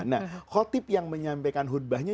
nah khotib yang menyampaikan khutbahnya